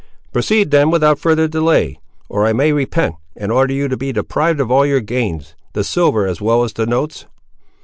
"Proceed then without further delay, or I may repent, and order you to be deprived of all your gains; the silver as well as the notes."